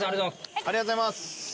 ありがとうございます。